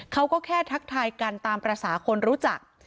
เขาก็แค่ทักทายกันตามภาษาคนรู้จัก